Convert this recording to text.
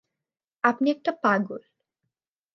আপনি একটা পাগল।